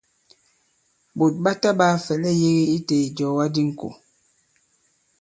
Ɓòt ɓa taɓāa fɛ̀lɛ yēge i tē ìjɔ̀ga di ŋkò.